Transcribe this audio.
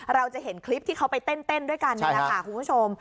เราจะเห็นคลิปที่เขาไปเต้นด้วยกันนี่แหละค่ะคุณผู้ชม